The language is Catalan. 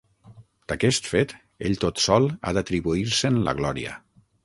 D'aquest fet, ell tot sol ha d'atribuir-se'n la glòria.